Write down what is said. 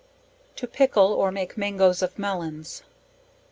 To pickle or make Mangoes of Melons.